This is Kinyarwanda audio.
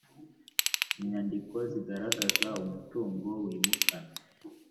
inyandiko zigaragaza umutungo wimukanwa